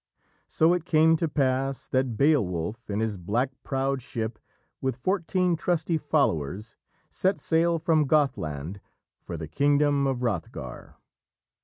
So it came to pass that Beowulf, in his black prowed ship, with fourteen trusty followers, set sail from Gothland for the kingdom of Hrothgar.